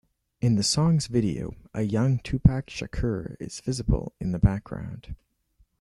In the song's video, a young Tupac Shakur is visible in the background.